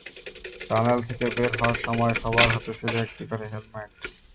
Tunnel থেকে বের হওয়ার সময় সবার হাতে ছিল একটি করে হেলমেট।